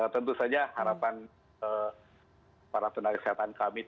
tentu saja harapan para tenaga kesehatan kami